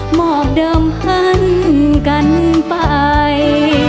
หมอกเดิมพันกันไป